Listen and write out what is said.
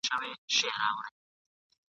تا خو د زمان د سمندر څپو ته واچول !.